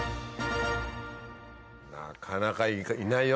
なかなかいないよ